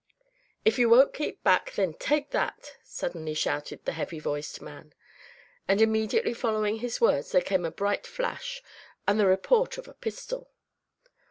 "If you won't keep back, then take that!" suddenly shouted the heavy voiced man; and immediately following his words there came a bright flash, and the report of a pistol.